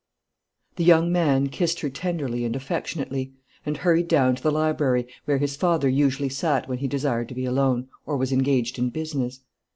The young man kissed her tenderly and affectionately, and hurried down to the library, where his father usually sat when he desired to be alone, or was engaged in business.